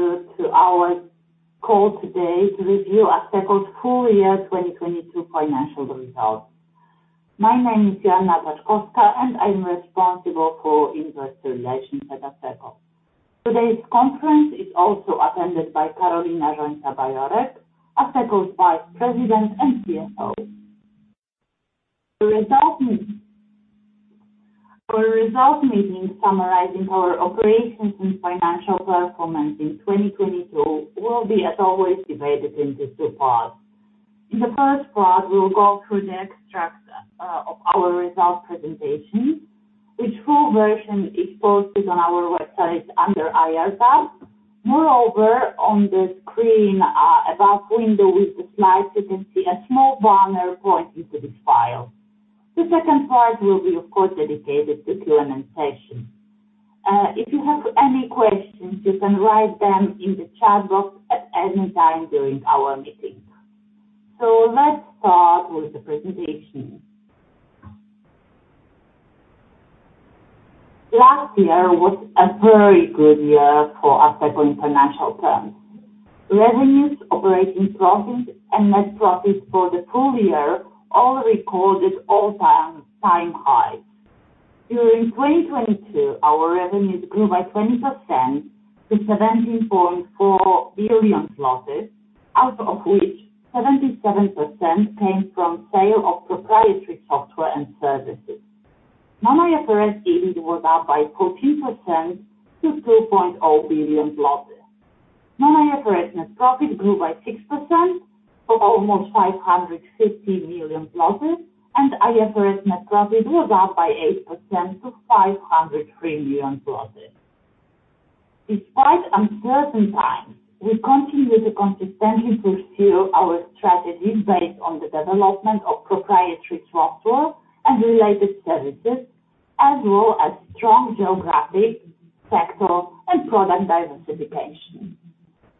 To our call today to review Asseco's full year 2022 financial results. My name is Joanna Paczkowska-Tatomir and I'm responsible for investor relations at Asseco. today's conference is also attended by Karolina Rzońca-Bajorek, Asseco's Vice President and CFO. Our result meeting summarizing our operations and financial performance in 2022 will be as always divided into two parts. In the first part, we will go through the extract of our results presentation, which full version is posted on our website under IR tab. On the screen, above window with the slides, you can see a small banner pointing to this file. The second part will be of course dedicated to Q&A session. If you have any questions, you can write them in the chat box at any time during our meeting. Let's start with the presentation. Last year was a very good year for Asseco in financial terms. Revenues, operating profits and net profits for the full year all recorded all-time highs. During 2022, our revenues grew by 20% to 17.4 billion, out of which 77% came from sale of proprietary software and services. Non-IFRS EBIT was up by 14% to 2.0 billion. Non-IFRS net profit grew by 6% to almost 550 million, and IFRS net profit was up by 8% to 500 million. Despite uncertain times, we continue to consistently fulfill our strategy based on the development of proprietary software and related services, as well as strong geographic, sector and product diversification.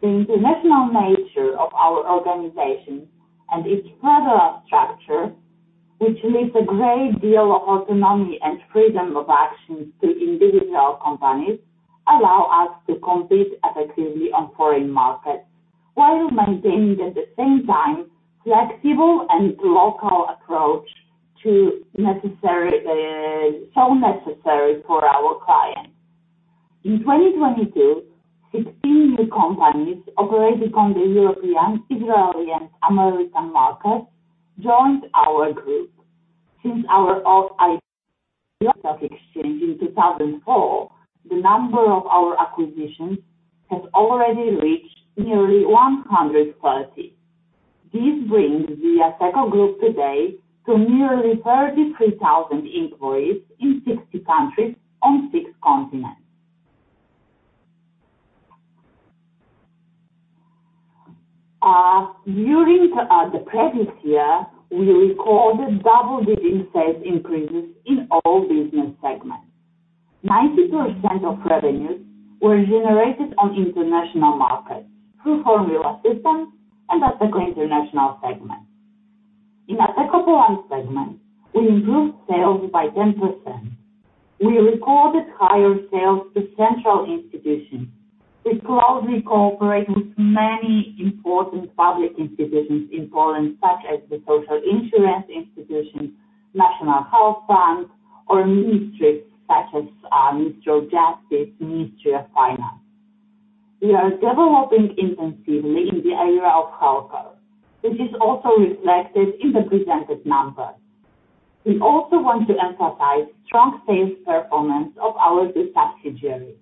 The international nature of our organization and its federal structure, which leaves a great deal of autonomy and freedom of action to individual companies, allow us to compete effectively on foreign markets while maintaining at the same time flexible and local approach to necessary, so necessary for our clients. In 2022, 16 new companies operating on the European, Israeli and American markets joined our group. Since our off-IPO exchange in 2004, the number of our acquisitions has already reached nearly 130. This brings the Asseco Group today to nearly 33,000 employees in 60 countries on 6 continents. During the previous year, we recorded double-digit sales increases in all business segments. 90% of revenues were generated on international markets through Formula Systems and Asseco International segment. In Asseco Poland segment, we improved sales by 10%. We recorded higher sales to central institutions. We closely cooperate with many important public institutions in Poland such as the Social Insurance Institution, National Health Fund or ministries such as Ministry of Justice, Ministry of Finance. We are developing intensively in the area of healthtech. This is also reflected in the presented numbers. We also want to emphasize strong sales performance of our subsidiaries,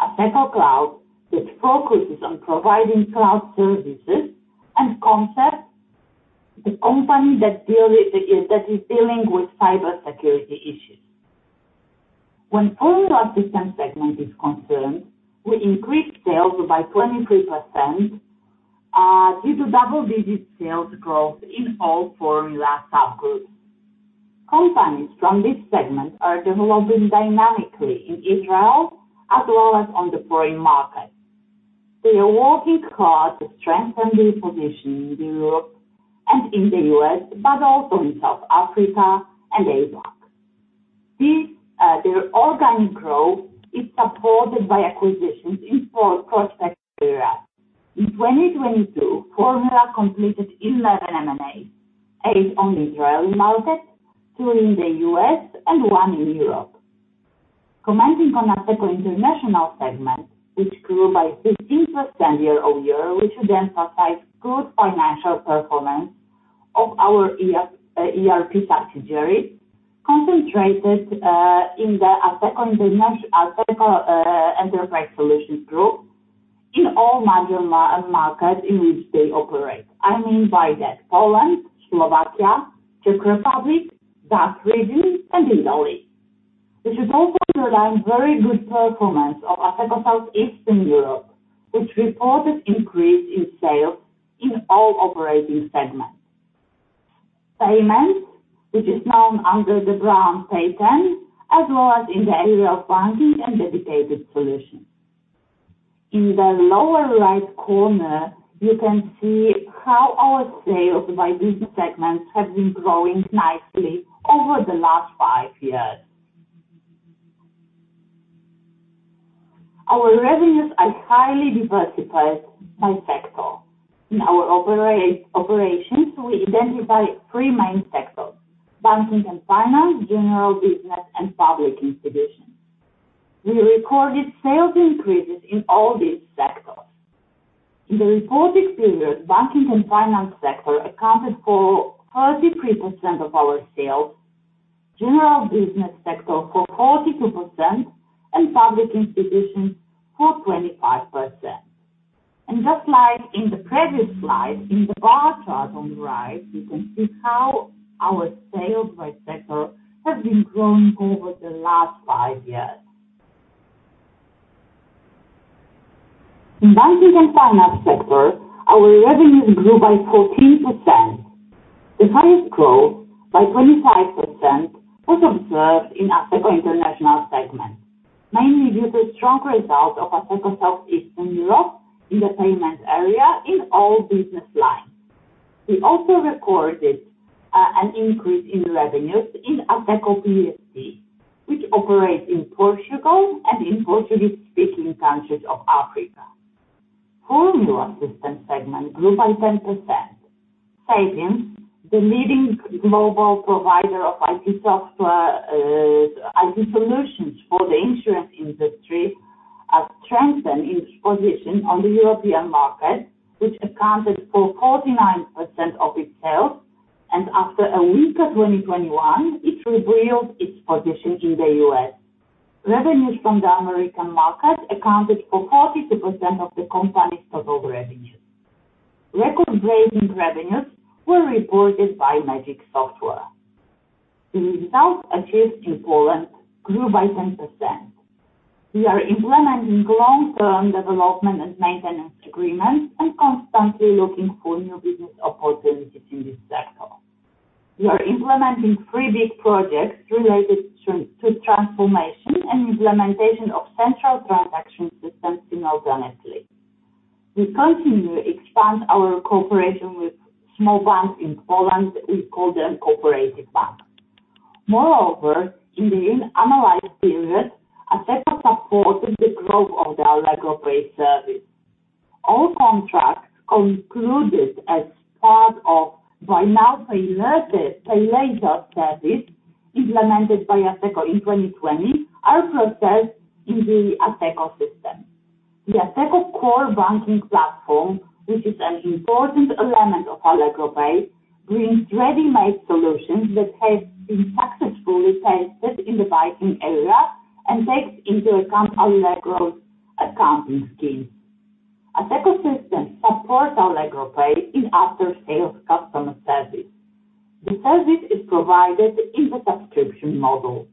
Asseco Cloud, which focuses on providing cloud services and Consec the company that is dealing with cybersecurity issues. When Formula Systems segment is concerned, we increased sales by 23%, with double-digit sales growth in all Formula subgroups. Companies from this segment are developing dynamically in Israel as well as on the foreign markets. They are working hard to strengthen their position in Europe and in the U.S., but also in South Africa and Asia. Their organic growth is supported by acquisitions in prospective areas. In 2022, Formula completed 11 M&As, 8 on Israeli market, 2 in the US and 1 in Europe. Commenting on Asseco International segment, which grew by 15% year-over-year, we should emphasize good financial performance of our ERP subsidiaries concentrated in the Asseco Enterprise Solutions Group in all major markets in which they operate. I mean by that Poland, Slovakia, Czech Republic, Baltic regions and Italy. We should also underline very good performance of Asseco South Eastern Europe, which reported increase in sales in all operating segments. Payments, which is known under the brand PAYONE, as well as in the area of banking and dedicated solutions. In the lower right corner, you can see how our sales by business segments have been growing nicely over the last five years. Our revenues are highly diversified by sector. In our operations, we identify three main sectors: banking and finance, general business, and public institutions. We recorded sales increases in all these sectors. In the reported period, banking and finance sector accounted for 33% of our sales, general business sector for 42%, and public institutions for 25%. Just like in the previous slide, in the bar chart on the right, you can see how our sales by sector have been growing over the last five years. In banking and finance sector, our revenues grew by 14%. The highest growth, by 25%, was observed in Asseco International segment, mainly due to strong results of Asseco South Eastern Europe in the payment area in all business lines. We also recorded an increase in revenues in Asseco PST, which operates in Portugal and in Portuguese-speaking countries of Africa. Formula Systems segment grew by 10%. Sapiens, the leading global provider of IT software, IT solutions for the insurance industry, have strengthened its position on the European market, which accounted for 49% of its sales. After a week of 2021, it revealed its position in the US. Revenues from the American market accounted for 42% of the company's total revenue. Record-breaking revenues were reported by Magic Software. The results achieved in Poland grew by 10%. We are implementing long-term development and maintenance agreements and constantly looking for new business opportunities in this sector. We are implementing 3 big projects related to transformation and implementation of central transaction systems simultaneously. We continue to expand our cooperation with small banks in Poland. We call them cooperative banks. In the analyzed period, Asseco supported the growth of the Allegro Pay service. All contracts concluded as part of buy now pay later service implemented by Asseco in 2020 are processed in the Asseco system. The Asseco Core Banking Solution, which is an important element of Allegro Pay, brings ready-made solutions that have been successfully tested in the banking area and takes into account Allegro's accounting scheme. Asseco systems support Allegro Pay in after-sales customer service. The service is provided in the subscription model.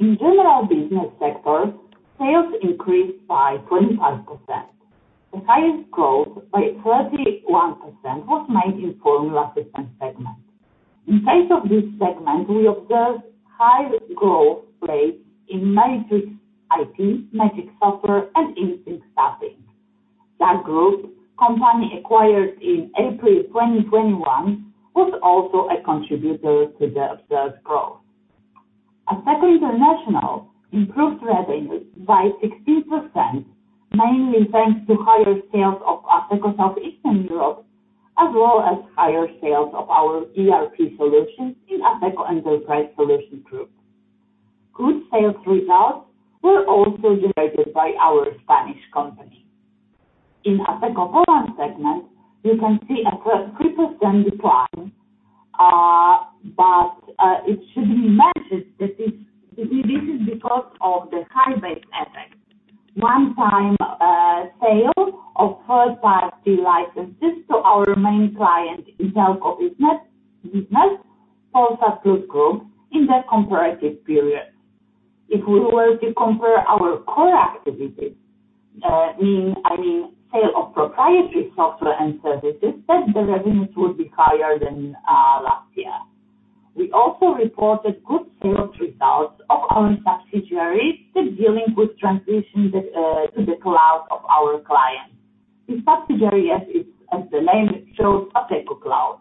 In general business sector, sales increased by 25%. The highest growth, by 31%, was made in Formula Systems segment. In face of this segment, we observed high growth rates in Matrix IT, Magic Software, and InSync Staffing. That group, company acquired in April 2021, was also a contributor to the observed growth. Asseco International improved revenues by 16%, mainly thanks to higher sales of Asseco South Eastern Europe, as well as higher sales of our ERP solutions in Asseco Enterprise Solutions group. Good sales results were also generated by our Spanish company. In Asseco Poland segment, you can see a 3% decline, but it should be mentioned that this is because of the high base effect. One time, sale of third-party licenses to our main client in telco business, Polsat Plus Group, in the comparative period. If we were to compare our core activities, meaning, I mean, sale of proprietary software and services, then the revenues would be higher than last year. We also reported good sales results of our subsidiaries in dealing with transition to the cloud of our clients. This subsidiary, yes, is, as the name shows, Asseco Cloud.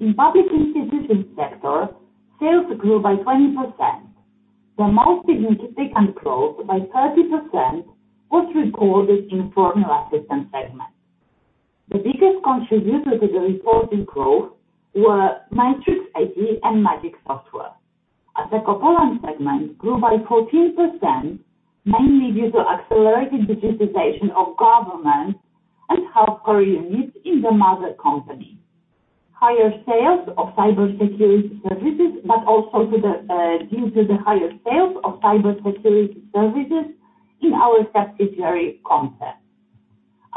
In public institutions sector, sales grew by 20%. The most significant growth, by 30%, was recorded in Formula Systems segment. The biggest contributor to the reported growth were Matrix IT and Magic Software. Asseco Poland segment grew by 14%, mainly due to accelerated digitization of government and healthcare units in the mother company. Higher sales of cybersecurity services, due to the higher sales of cybersecurity services in our subsidiary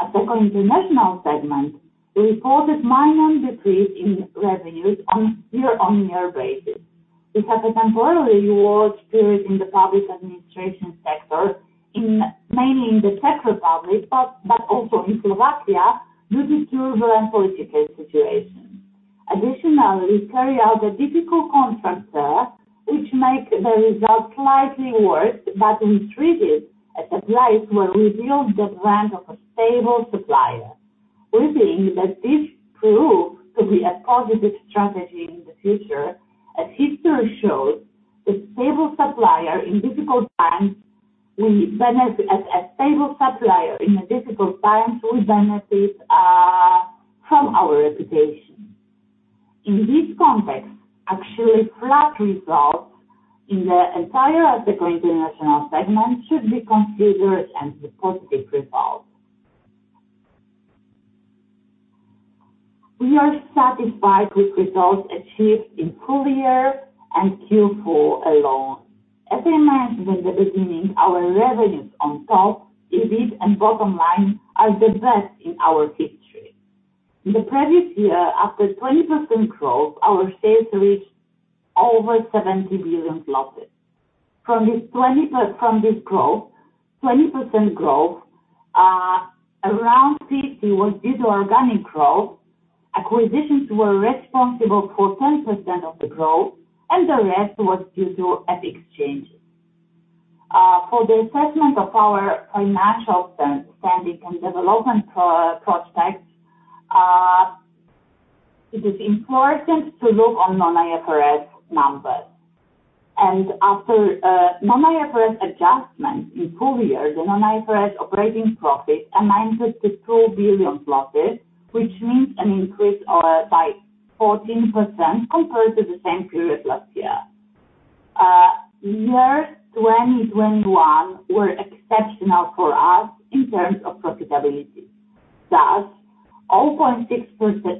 Consec. Asseco International segment reported minor decrease in revenues on year-on-year basis. We had a temporarily lower period in the public administration sector in, mainly in the Czech Republic, but also in Slovakia due to the geopolitical situation. Additionally, we carry out a difficult contract there, which make the results slightly worse. At the place where revealed the brand of a stable supplier. We think that this proof could be a positive strategy in the future, as history shows a stable supplier in a difficult time, we benefit from our reputation. In this context, actually, flat results in the entire Asseco International segment should be considered as a positive result. We are satisfied with results achieved in full year and Q4 alone. As I mentioned at the beginning, our revenues on top, EBIT and bottom line are the best in our history. In the previous year, after 20% growth, our sales reached over 70 billion. From this growth, 20% growth, around 50% was due to organic growth. Acquisitions were responsible for 10% of the growth, and the rest was due to FX changes. For the assessment of our financial standing and development prospects, it is important to look on non-IFRS numbers. After non-IFRS adjustments in full year, the non-IFRS operating profit amounted to 2 billion, which means an increase of by 14% compared to the same period last year. Year 2021 were exceptional for us in terms of profitability. 0.6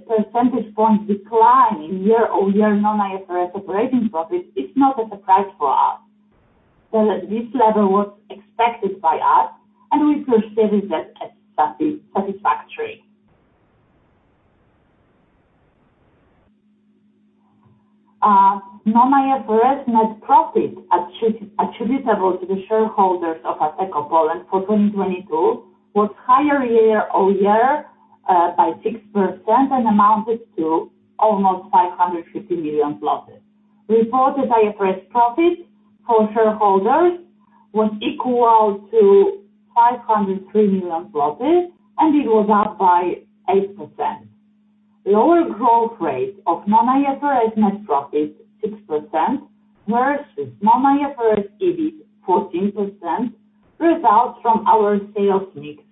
percentage points decline in year-over-year non-IFRS operating profit is not a surprise for us. This level was expected by us, and we perceive it as satisfactory. Non-IFRS net profit attributable to the shareholders of Asseco Poland for 2022 was higher year-over-year by 6% and amounted to almost 550 million. Reported IFRS profits for shareholders was equal to 503 million, and it was up by 8%. Lower growth rate of non-IFRS net profit, 6%, versus non-IFRS EBIT, 14%, results from our sales mix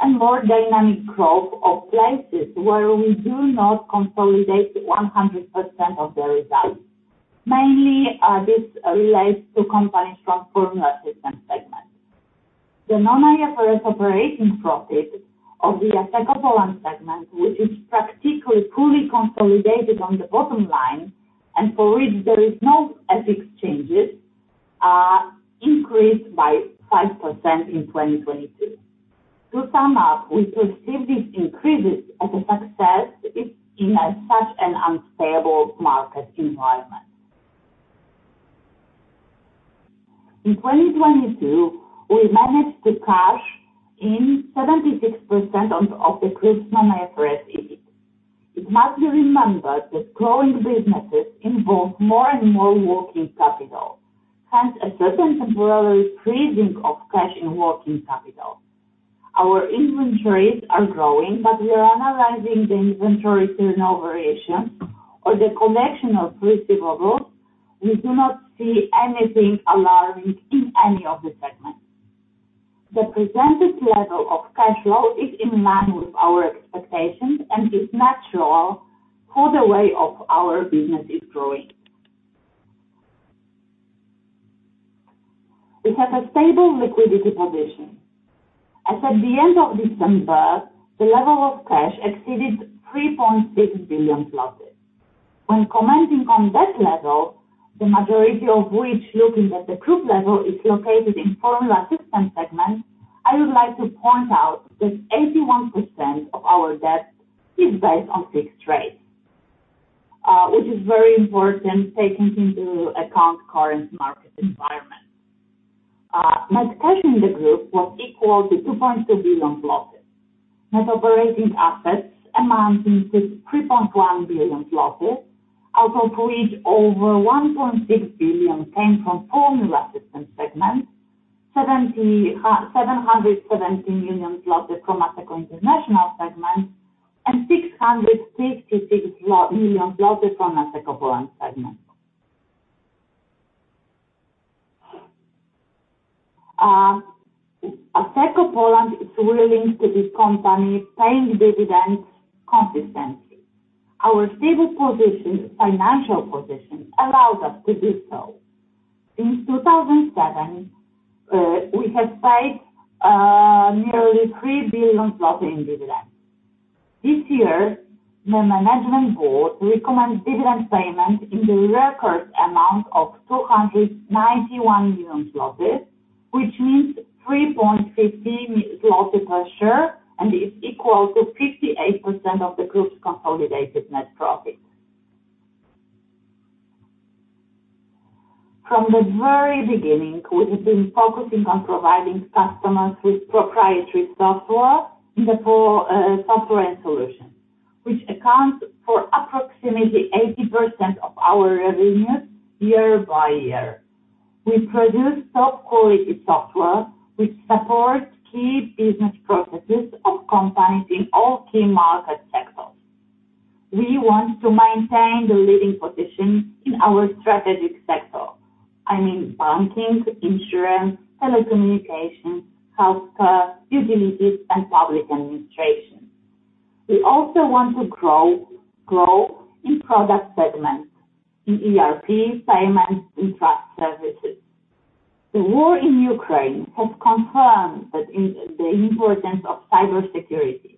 and more dynamic growth of places where we do not consolidate 100% of the results. Mainly, this relates to company's top Formula Systems segment. The non-IFRS operating profit of the Asseco Poland segment, which is practically fully consolidated on the bottom line and for which there is no FX changes, increased by 5% in 2022. to sum up, we perceive this increase as a success in a such an unstable market environment. In 2022, we managed to cash in 76% of the group's non-IFRS EBIT. It must be remembered that growing businesses involve more and more working capital, hence a certain temporary freezing of cash in working capital. Our inventories are growing, we are analyzing the inventory turnover ratio or the collection of receivables. We do not see anything alarming in any of the segments. The presented level of cash flow is in line with our expectations and is natural for the way of our business is growing. We have a stable liquidity position. As at the end of December, the level of cash exceeded 3.6 billion. When commenting on debt level, the majority of which, looking at the group level, is located in Formula Systems segment, I would like to point out that 81% of our debt is based on fixed rates, which is very important taking into account current market environment. Net cash in the group was equal to 2.2 billion. Net operating assets amounted to 3.1 billion, out of which over 1.6 billion came from Formula Systems segment, 717 million from Asseco International segment, and 666 million from Asseco Poland segment. Asseco Poland is willing to this company paying dividends consistently. Our stable position, financial position allows us to do so. In 2007, we have paid nearly 3 billion in dividends. This year, the management board recommends dividend payment in the record amount of 291 million zlotys, which means 3.15 zlotys per share and is equal to 58% of the group's consolidated net profit. From the very beginning, we have been focusing on providing customers with proprietary software and solutions, which accounts for approximately 80% of our revenues year by year. We produce top quality software which supports key business processes of companies in all key market sectors. We want to maintain the leading position in our strategic sector. I mean, banking, insurance, telecommunications, healthcare, utilities, and public administration. We also want to grow in product segments, in ERP, payments, and trust services. The war in Ukraine has confirmed the importance of cybersecurity.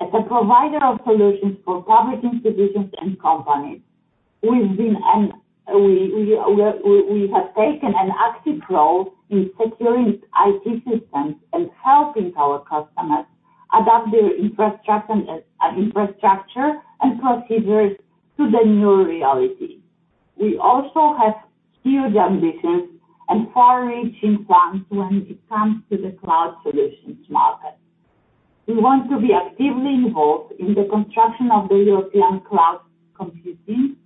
As a provider of solutions for public institutions and companies, we have taken an active role in securing IT systems and helping our customers adapt their infrastructure and procedures to the new reality. We also have huge ambitions and far-reaching plans when it comes to the cloud solutions market. We want to be actively involved in the construction of the European cloud computing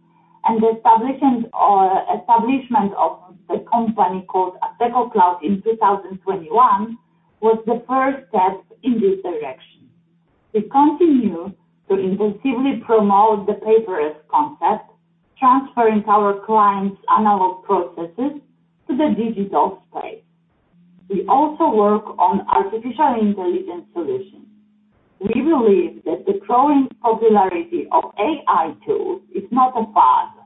and establishment of a company called Asseco Cloud in 2021 was the first step in this direction. We continue to intensively promote the paperless concept, transferring our clients' analog processes to the digital space. We also work on artificial intelligence solutions. We believe that the growing popularity of AI tools is not a fad,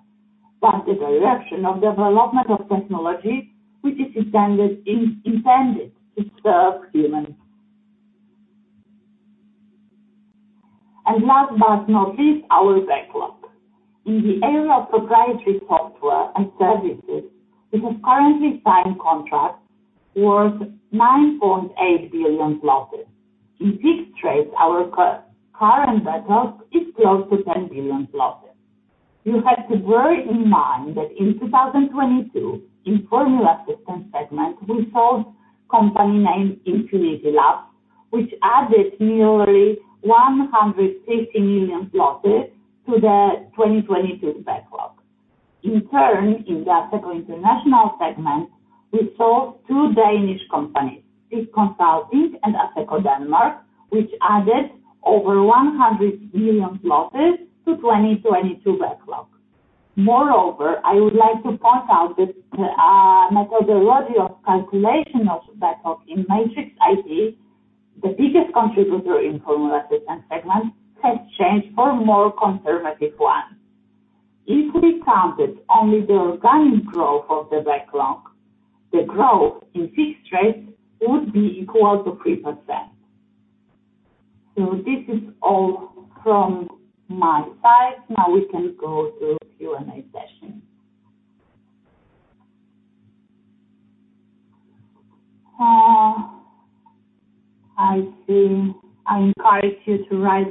but the direction of development of technology which is intended to serve humans. Last but not least, our backlog. In the area of proprietary software and services, we have currently signed contracts worth 9.8 billion PLN. In fixed rates, our current backlog is close to 10 billion PLN. You have to bear in mind that in 2022, in Formula Systems segment, we sold company named Infinity Labs, which added nearly 150 million PLN to the 2022 backlog. In the Asseco International segment, we sold two Danish companies, This Consulting and Asseco Denmark, which added over 100 million PLN to 2022 backlog. I would like to point out that methodology of calculation of backlog in Matrix IT, the biggest contributor in Formula Systems segment, has changed for a more conservative one. If we counted only the organic growth of the backlog, the growth in fixed rates would be equal to 3%. This is all from my side. Now we can go to Q&A session. I see. I encourage you to write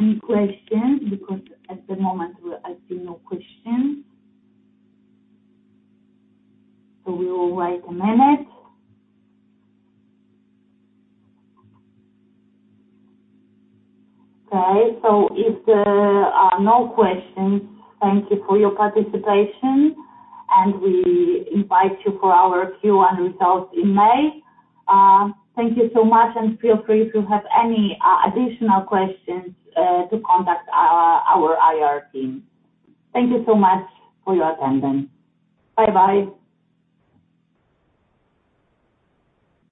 any question because at the moment we are seeing no question. We will wait a minute. Okay. If there are no questions, thank you for your participation, and we invite you for our Q1 results in May. Thank you so much and feel free if you have any additional questions to contact our IR team. Thank you so much for your attendance. Bye-bye.